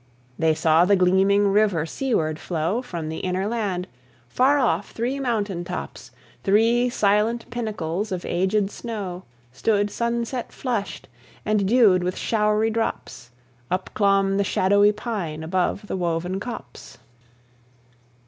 They saw the gleaming river seaward flow From the inner land: far off, three mountain tops, Three silent pinnacles of agèd snow, Stood sunset flush'd: and, dew'd with showery drops, Up clomb the shadowy pine above the woven copse.